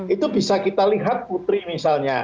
itu bisa kita lihat putri misalnya